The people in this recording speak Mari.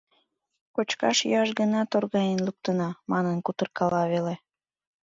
«Кочкаш-йӱаш гына торгаен луктына» манын кутыркала веле.